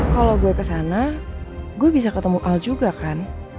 kalau gue kesana gue bisa ketemu al juga kan